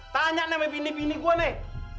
tanya nih sama bini bini gua nih